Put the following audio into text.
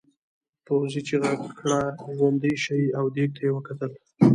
پوځي چیغه کړه ژوندي شئ او دېگ ته یې وکتل.